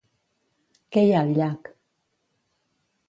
Què hi ha al llac?